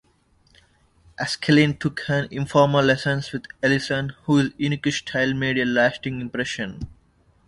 Eskelin took an informal lesson with Ellison, who's unique style made a lasting impression.